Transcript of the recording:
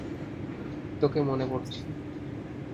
তোকে মনে পড়ছে।